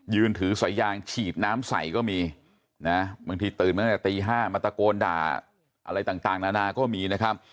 ยืนถือสายยางฉีดน้ำใส่ก็มีนะบางทีตื่นมาตั้งแต่ตี๕มาตะโกนด่าอะไรต่างนานาก็มีนะครับ